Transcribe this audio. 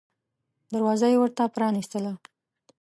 دروازه یې ورته پرانیستله.